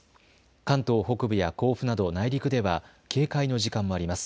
関東北部や甲府など内陸では警戒の時間もあります。